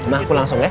ma aku langsung ya